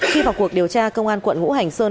khi vào cuộc điều tra công an quận ngũ hành sơn